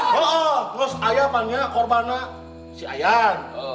terus ayah panggil korbannya si ayan